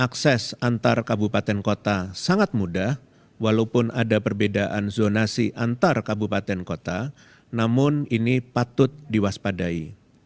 akses antar kabupaten kota sangat mudah walaupun ada perbedaan zonasi antar kabupaten kota namun ini patut diwaspadai